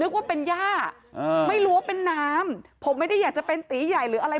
ว่าเป็นย่าไม่รู้ว่าเป็นน้ำผมไม่ได้อยากจะเป็นตีใหญ่หรืออะไร